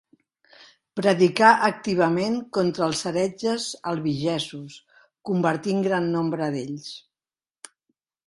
Predicà activament contra els heretges albigesos, convertint gran nombre d'ells.